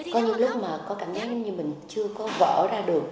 có những lúc mà có cảm giác như mình chưa có vỡ ra được